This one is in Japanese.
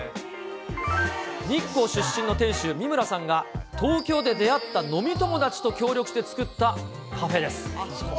日光出身の店主、三村さんが、東京で出会った飲み友達と協力して作ったカフェです。